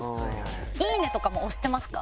「いいね」とかも押してますか？